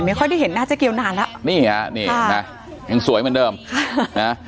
ค่อยได้เห็นหน้าเจ๊เกียวนานแล้วนี่ฮะนี่นะยังสวยเหมือนเดิมค่ะนะ